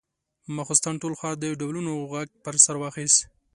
ماخستن ټول ښار د ډولونو غږ پر سر واخيست.